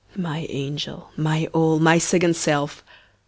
MY ANGEL! MY ALL! MY SECOND SELF!